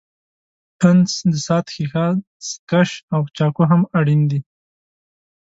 پنس، د ساعت ښيښه، ستکش او چاقو هم اړین دي.